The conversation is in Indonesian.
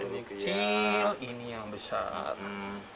ini kecil ini yang besar